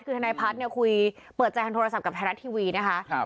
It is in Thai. คือธนายพัฒน์คุยเปิดใจทางโทรศัพท์กับธนาทีวีนะคะ